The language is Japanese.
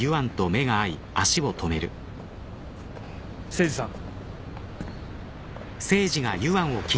誠司さん。